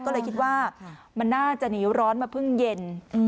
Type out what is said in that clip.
ก็เลยคิดว่ามันน่าจะหนีร้อนมาเพิ่งเย็น